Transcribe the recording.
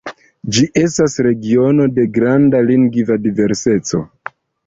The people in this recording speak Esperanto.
Ĝi estas regiono de granda lingva diverseco.